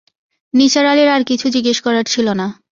নিসার আলির আর কিছু জিজ্ঞেস করার ছিল না।